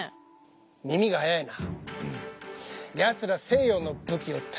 耳が早いな。